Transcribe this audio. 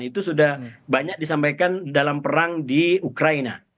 itu sudah banyak disampaikan dalam perang di ukraina